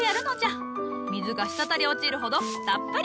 水が滴り落ちるほどたっぷり。